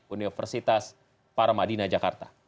universitas parmadina jakarta